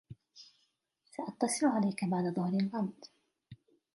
سأتصل عليك بعد ظهر الغد.